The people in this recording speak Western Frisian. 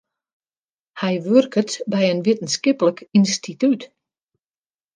Hy wurket by in wittenskiplik ynstitút.